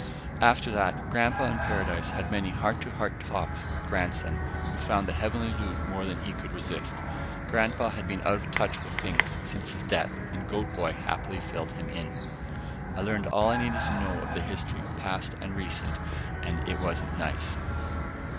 After that, Grandpa in paradise had many heart to heart talks with Grandson, who found the heavenly loot more than he could resist. Grandpa had been out of touch with things since his death and Goat boy happily filled him in. I learned all I needed to know of the history, past and recent, and it wasn't nice.